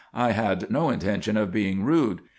"I had no intention of being rude.